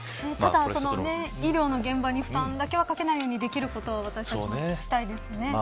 医療の現場に負担はかけないように、できることは私たちもしたいですね。